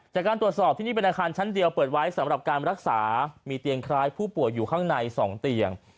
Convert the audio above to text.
จากการตรวจสอบที่นี่เป็นอาคารชั้นเดียวเปิดไว้สำหรับการรักษามีเตียงคล้ายผู้ป่วยอยู่ข้างใน๒เตียง